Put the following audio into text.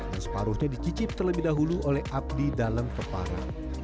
dan separuhnya dicicip terlebih dahulu oleh abdi dalam kepala